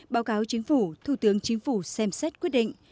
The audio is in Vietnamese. báo cáo chính phủ thủ tướng chính phủ xem xét quyết định